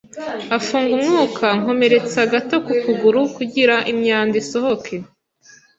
afunga umwuka nkomeretsa gato kukuguru kugira imyanda isohoke